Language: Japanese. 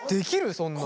そんなん。